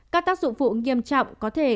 các tác dụng vụ nghiêm trọng có thể